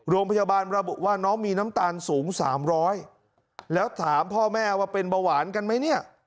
โรงพยาบาลระบุว่าน้องมีน้ำตาลสูง๓๐๐แล้วถามพ่อแม่ว่าเป็นเบาหวานกันไหมเนี่ย